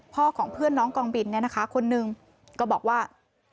ของเพื่อนน้องกองบินเนี่ยนะคะคนหนึ่งก็บอกว่า